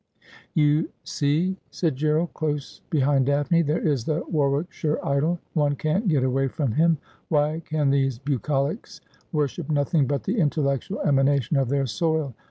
'You see,' said Gerald, close behind Daphne, 'there is the Warwickshire idol. One can't get away from him. Why can these bucolics worship nothing but the intellectual emanation of their soil